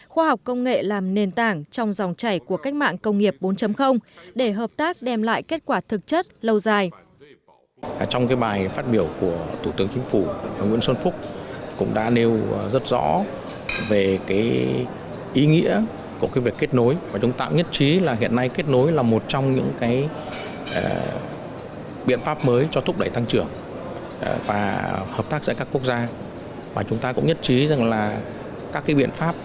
khoa học công nghệ làm nền tảng trong dòng chảy của cách mạng công nghiệp bốn để hợp tác đem lại kết quả thực chất lâu dài